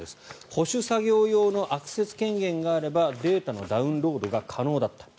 保守作業用のアクセス権限があればデータのダウンロードが可能だった。